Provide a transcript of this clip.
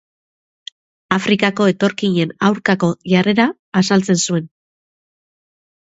Afrikako etorkinen aurkako jarrera azaltzen zuen.